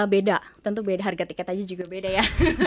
beda tentu beda harga tiket aja juga beda ya